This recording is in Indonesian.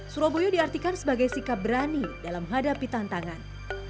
surabaya diartikan sebagai sikap berani dalam menghadapi tantangan